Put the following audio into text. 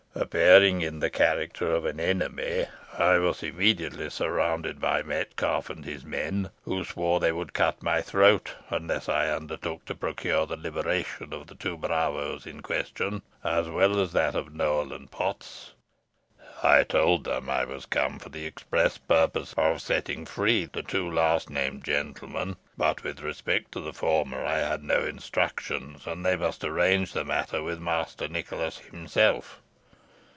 Appearing in the character of an enemy, I was immediately surrounded by Metcalfe and his men, who swore they would cut my throat unless I undertook to procure the liberation of the two bravos in question, as well as that of Nowell and Potts. I told them I was come for the express purpose of setting free the two last named gentlemen; but, with respect to the former, I had no instructions, and they must arrange the matter with Master Nicholas himself.